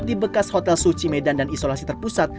di bekas hotel suci medan dan isolasi terpusat